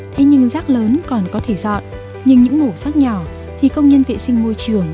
thế nhưng rác lớn còn có thể dọn nhưng những màu sắc nhỏ thì công nhân vệ sinh môi trường